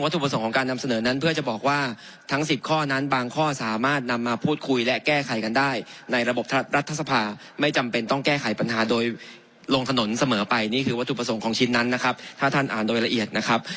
หรือวัตถุประสงค์ของชิ้นนั้นนะครับถ้าท่านอ่านโดยละเอียดนะครับ